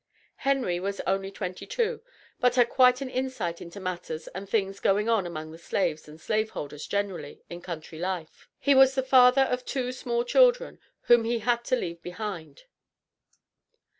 Henry was only twenty two, but had quite an insight into matters and things going on among slaves and slave holders generally, in country life. He was the father of two small children, whom he had to leave behind.